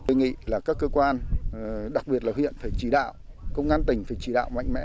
tôi nghĩ là các cơ quan đặc biệt là huyện phải chỉ đạo công an tỉnh phải chỉ đạo mạnh mẽ